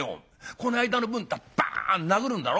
『この間の分』ったらバン殴るんだろ？